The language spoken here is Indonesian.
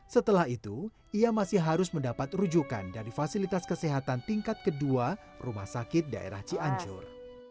setelah itu ia masih harus mendapat rujukan dari fasilitas kesehatan tingkat kedua rumah sakit daerah cianjur